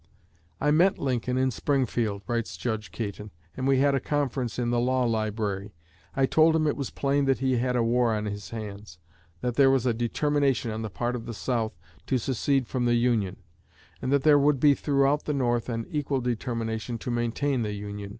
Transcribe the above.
"I met Lincoln in Springfield," writes Judge Caton, "and we had a conference in the law library. I told him it was plain that he had a war on his hands; that there was a determination on the part of the South to secede from the Union, and that there would be throughout the North an equal determination to maintain the Union.